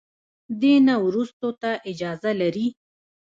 دې نه وروسته ته اجازه لري.